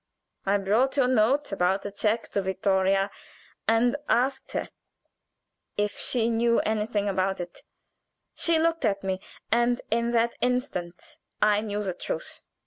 "I brought your note about the check to Vittoria, and asked her if she knew anything about it. She looked at me, and in that instant I knew the truth.